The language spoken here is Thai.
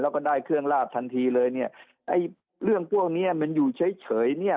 แล้วก็ได้เครื่องลาบทันทีเลยเนี่ยไอ้เรื่องพวกเนี้ยมันอยู่เฉยเฉยเนี่ย